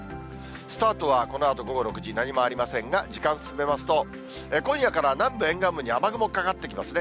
スタートはこのあと午後６時、何もありませんが、時間進めますと、今夜から南部沿岸部に雨雲かかってきますね。